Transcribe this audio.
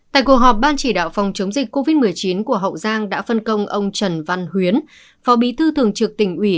tại cuộc họp ban chỉ đạo phòng chống dịch covid một mươi chín của hậu giang đã phân công ông trần văn huyến phó bí thư thường trực tỉnh ủy